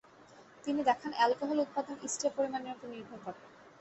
তিনি দেখান অ্যালকোহল উৎপাদন ইস্টের পরিমানের উপর নির্ভর করে।